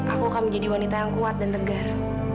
aku akan menjadi wanita yang kuat dan tegar